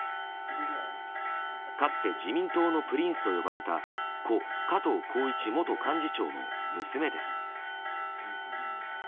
かつて自民党のプリンスと呼ばれた故・加藤紘一元幹事長の娘です。